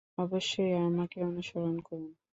অবশ্যই, আমাকে অনুসরণ করুন।